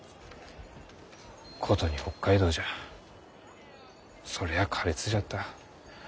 殊に北海道じゃそりゃあ苛烈じゃった。